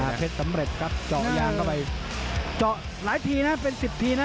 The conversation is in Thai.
เพชรสำเร็จครับเจาะยางเข้าไปเจาะหลายทีนะเป็นสิบทีนะ